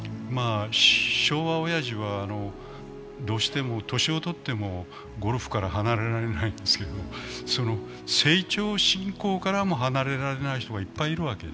昭和おやじは、どうしても年をとってもゴルフから離れられないんですけれども、成長信仰からも離れられない人が出てくる。